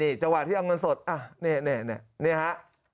จังหวะที่เอาเงินสดนี่ฮะ